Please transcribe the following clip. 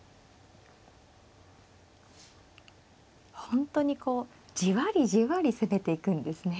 本当にこうじわりじわり攻めていくんですね。